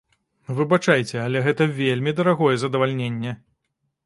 Выбачайце, але гэта вельмі дарагое задавальненне!